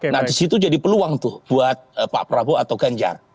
nah disitu jadi peluang tuh buat pak prabowo atau ganjar